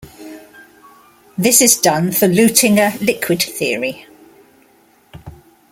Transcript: This is done for Luttinger liquid theory.